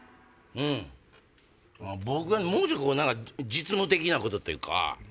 僕はもうちょっと実務的なことというか。